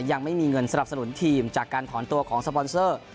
ยังไม่มีเงินสนับสนุนทีมจากการถอนตัวของสปอนเซอร์